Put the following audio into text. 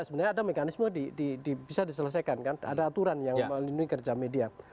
sebenarnya ada mekanisme bisa diselesaikan kan ada aturan yang melindungi kerja media